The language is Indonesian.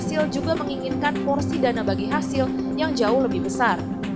dan juga menginginkan porsi dana bagi hasil yang jauh lebih besar